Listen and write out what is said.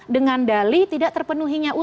dengan dali tidak terpenuhinya